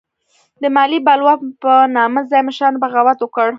د مالیې بلوا په نامه ځايي مشرانو بغاوت وکړ.